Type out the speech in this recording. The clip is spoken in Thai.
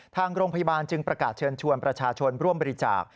ทางโรงพยาบาลจึงประกาศเชิญชวนประชาชนร่วมบริจาค